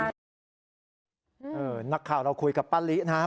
เอิ่มนักข่าวเราคุยกับป้าลินะฮะ